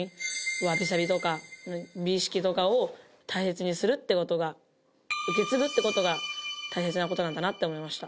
わびさびとか、美意識とかを大切にするって事が受け継ぐって事が大切な事なんだなって思いました。